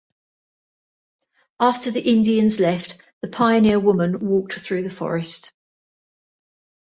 After the Indians left, the pioneer woman walked through the forest.